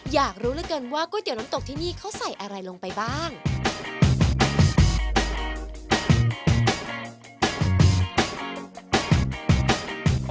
อยากรู้เหลือเกินว่าก๋วยเตี๋ยวน้ำตกที่นี่เขาใส่อะไรลงไปบ้าง